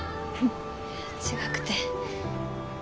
違くて。